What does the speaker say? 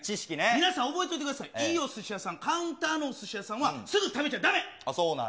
皆さん、覚えておいてください、いいおすし屋さん、カウンターのおすし屋さんは、すぐ食べちそうなんや。